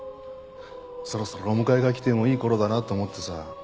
そろそろお迎えが来てもいい頃だなと思ってさ。